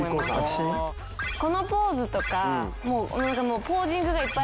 このポーズとかポージングがいっぱいあるから。